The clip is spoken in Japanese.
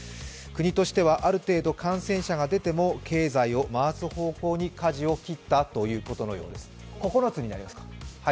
国としてはある程度感染者が出ても経済を回す方向にかじを切ったということのようです。